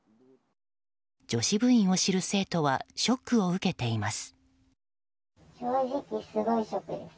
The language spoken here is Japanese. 女子部員を知る生徒はショックを受けています。